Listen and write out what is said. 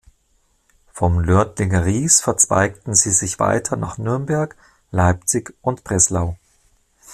Vom Nördlinger Ries verzweigten sie sich weiter nach Nürnberg, Leipzig und Breslau.